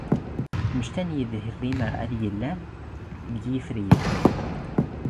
ⵎⵛⵃⴰⵍ ⵏ ⵉⴷ ⵀⵔⵉⵎⴰ ⴰⵢ ⵉⵍⵍⴰⵏ ⴳ ⵢⵉⴼⵔⵉ ⴰ?